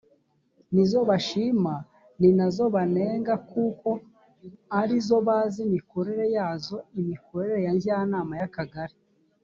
nizo bashima ni nazo banenga kuko arizo bazi imikorere yazo imikorere ya njyanama y akagari